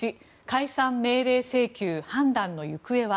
解散命令請求、判断の行方は？